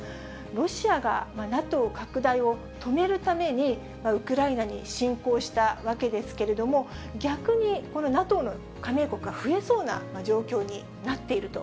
ロシアがＮＡＴＯ拡大を止めるために、ウクライナに侵攻したわけですけれども、逆にこのＮＡＴＯの加盟国が増えそうな状況になっていると。